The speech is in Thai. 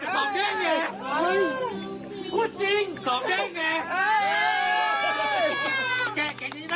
สอบแก้แก้พูดจริงสอบแก้แก้